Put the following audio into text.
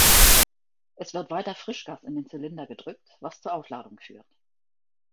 Es wird weiter Frischgas in den Zylinder gedrückt, was zur Aufladung führt.